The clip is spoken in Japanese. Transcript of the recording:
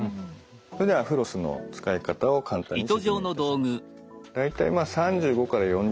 それではフロスの使い方を簡単に説明いたします。